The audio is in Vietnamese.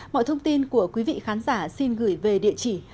mọi thông tin của quý vị khán giả xin gửi về địa chỉ